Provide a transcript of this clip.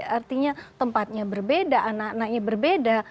artinya tempatnya berbeda anak anaknya berbeda